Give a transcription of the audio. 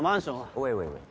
おいおいおい